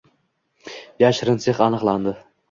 Yashirin sex aniqlanding